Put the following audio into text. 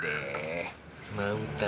kalau ada apa apa